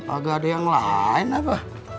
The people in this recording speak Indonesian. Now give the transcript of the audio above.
agak ada yang lain apa